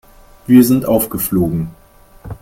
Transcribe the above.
Wir sind aufgeflogen.